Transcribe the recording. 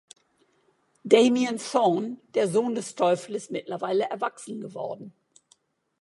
Damien Thorn, der Sohn des Teufels, ist mittlerweile erwachsen geworden.